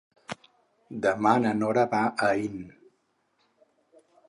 Demà na Nora va a Aín.